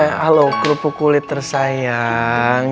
halo kerupuk kulit tersayang